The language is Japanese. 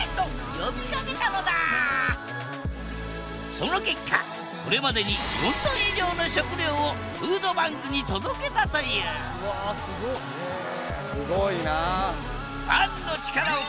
その結果これまでに４トン以上の食料をフードバンクに届けたというすごいな。